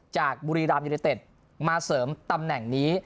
บุรีรามยูเนเต็ดมาเสริมตำแหน่งนี้